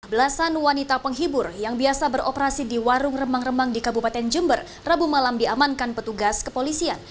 belasan wanita penghibur yang biasa beroperasi di warung remang remang di kabupaten jember rabu malam diamankan petugas kepolisian